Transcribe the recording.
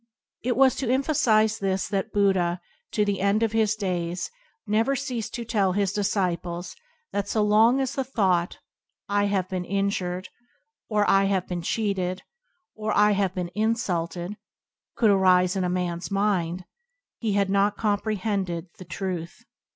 It was to emphasize this that Buddha, to the end of his days, never ceased to tell his disciples that so long as the thought "I have been injured/' or "I have been cheated," or "I have been insulted," could arise in a man's mind, he had not compre hended the Truth.